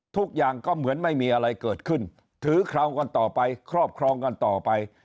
ทุกอย่างก็เหมือนไม่มีอะไรเกิดขึ้นถือครองกันต่อไปครอบครองกันต่อไป